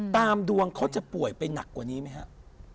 ดวงเขาจะป่วยไปหนักกว่านี้ไหมครับ